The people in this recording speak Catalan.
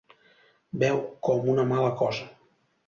Beu com una mala cosa.